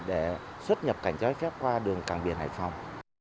để xuất nhập cảnh trái phép qua đường càng biển hải phòng